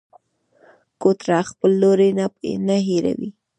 کوتره خپل لوری نه هېروي.